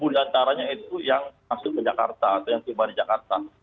empat puluh di antaranya itu yang masuk ke jakarta atau yang tiba di jakarta